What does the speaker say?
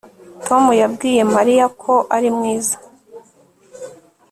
Tom yabwiye Mariya ko ari mwiza